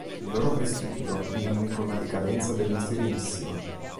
Il loro prestigio diminuì con la decadenza della Serenissima.